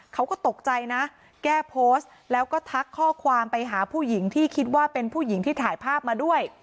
เขาก็ตกใจนะแก้โพสต์แล้วก็ทักข้อความไปหาผู้หญิงที่คิดว่าเป็นผู้หญิงที่ถ่ายภาพมาด้วย